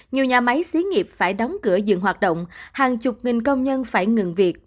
nhiều nhà máy xí nghiệp phải đóng cửa dừng hoạt động hàng chục nghìn công nhân phải ngừng việc